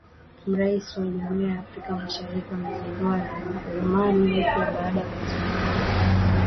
Marais wa Jumuiya ya Africa Mashariki wamezindua ramani mpya baada kuingizwa kwa Jamhuri ya Kidemokrasia ya Kongo kuwa wanachama.